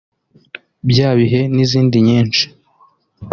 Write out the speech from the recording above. ‘Bya bihe’ n’izindi nyinshi